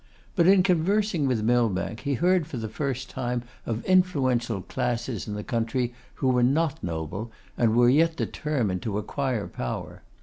But in conversing with Millbank, he heard for the first time of influential classes in the country who were not noble, and were yet determined to acquire power.